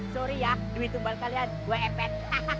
sorry ya duit umbal kalian gue epet